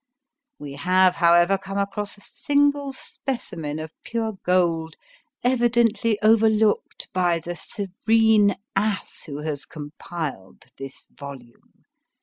We have, however, come across a single specimen of pure gold evidently overlooked by the serene ass who has compiled this volume.